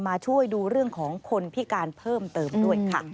มาช่วยดูเรื่องของคนพิการเพิ่มเติมด้วยค่ะ